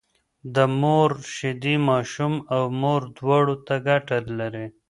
د مور شيدې ماشوم او مور دواړو ته ګټه لري